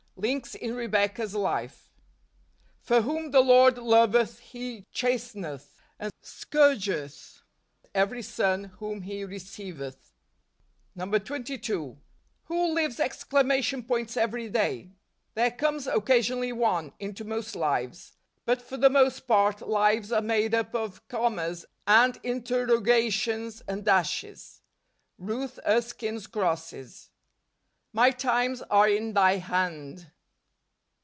Links in Rebecca's Life. " For whom the Lord loveth he chasteneth, and scourgeth every son whom.he receiveth." 22. Who lives exclamation points every day ? There comes occasionally one, into most lives ; but, for the most part, lives are made up of commas, and interrogations, and dashes. Ruth Erskine's Crosses. " My times are in thy hand."